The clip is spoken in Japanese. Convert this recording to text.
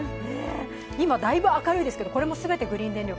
今、だいぶ明るいですけども、これも全部グリーン電力。